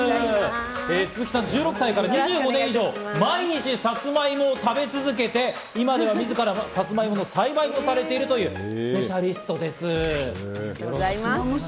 鈴木さん、１６歳から２５年以上、毎日サツマイモを食べ続けて今では自らサツマイモの栽培もされているというスペシャリストです。